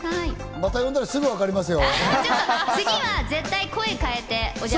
また呼んだら、すぐわかりますよ。